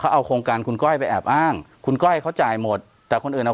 เอาโครงการคุณก้อยไปแอบอ้างคุณก้อยเขาจ่ายหมดแต่คนอื่นเอา